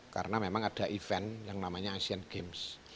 karena memang ada event yang namanya asean games